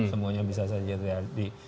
semuanya bisa saja terjadi